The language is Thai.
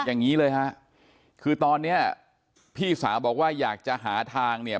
อย่างนี้เลยฮะคือตอนเนี้ยพี่สาวบอกว่าอยากจะหาทางเนี่ย